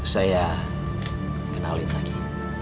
saya kenalin lagi